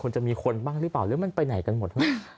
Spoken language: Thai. จะมีคนบ้างหรือเปล่าหรือมันไปไหนกันหมด